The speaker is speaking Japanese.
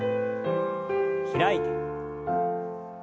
開いて。